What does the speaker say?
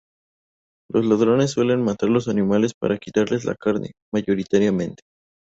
Los ladrones suelen matar los animales para quitarles la carne, mayoritariamente.